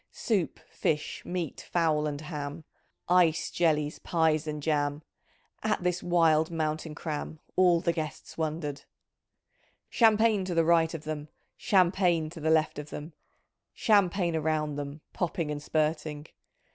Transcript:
Soup, fish, meat, fowl, and ham. Ice, jellies, pies, and jam ; At this wild mountain cram All the guests wondered. "Champagne to the right of them. Champagne to the left of them. Champagne around them. Popping and spurting.